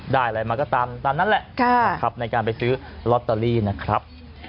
อะไรมาก็ตามนั้นแหละในการไปซื้อลอตเตอรี่นะครับ